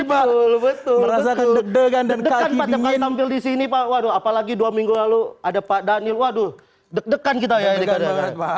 pak betul merasa deg degan dan kaki dingin tampil disini pak waduh apalagi dua minggu lalu ada pak daniel waduh deg degan kita ya adik adik